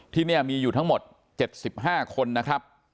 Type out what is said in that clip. ที่นี่มีอยู่ทั้งหมด๗๕คนนะครับ